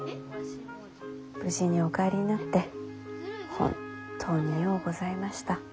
無事にお帰りになって本当にようございました。